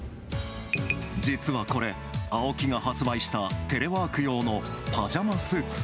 実は、これ、ＡＯＫＩが発売したテレワーク用のパジャマスーツ。